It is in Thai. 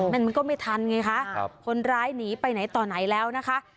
มันก็ไม่ทันไงคะคนร้ายหนีไปไหนต่อไหนแล้วนะคะ